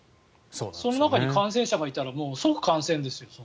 その中に感染者がいたら即感染ですよ。